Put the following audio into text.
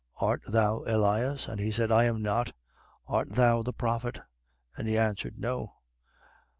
Art thou Elias? And he said: I am not. Art thou the prophet? And he answered: No.